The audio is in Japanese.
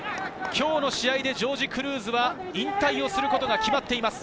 今日の試合でジョージ・クルーズは引退することが決まっています。